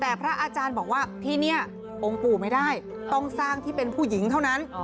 แต่พระอาจารย์บอกว่าที่นี่องค์ปู่ไม่ได้ต้องสร้างที่เป็นผู้หญิงเท่านั้น